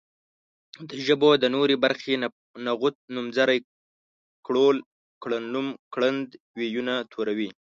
د ژبدود نورې برخې نغوت نومځری کړول کړنوم کړند وييونه توري